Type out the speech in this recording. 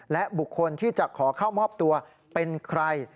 และบุคคลที่จะขอเข้ามอบตัวเป็นใคร